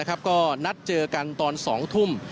ก็นัดเจอกันตอน๒ทุ่ม